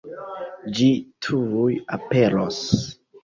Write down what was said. Ĝi tuj aperos.